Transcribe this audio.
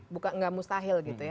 bukan nggak mustahil gitu ya